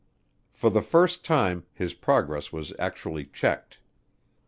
For the first time, his progress was actually checked.